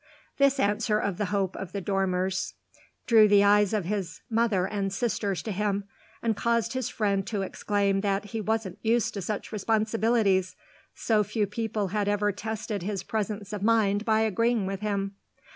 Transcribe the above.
This answer of the hope of the Dormers drew the eyes of his mother and sisters to him and caused his friend to exclaim that he wasn't used to such responsibilities so few people had ever tested his presence of mind by agreeing with him.